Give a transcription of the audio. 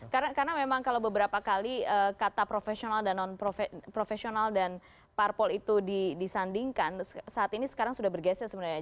karena memang kalau beberapa kali kata profesional dan non profesional dan parpol itu disandingkan saat ini sekarang sudah bergeser sebenarnya